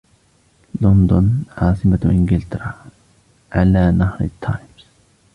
لندن, عاصمة إنجلترا, علي نهر التيمز.